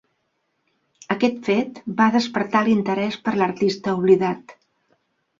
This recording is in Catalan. Aquest fet va despertar l'interès per l'artista oblidat.